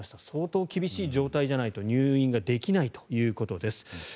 相当厳しい状態じゃないと入院ができないということです。